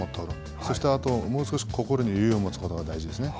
そしてあと、もう少し心に余裕を持つことが大事ですね。